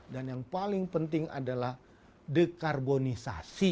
dan yang paling penting adalah dekarbonisasi